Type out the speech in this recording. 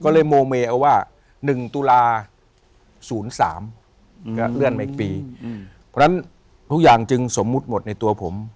เพราะฉะนั้นทุกอย่างจึงสมมุติหมดในตัวผม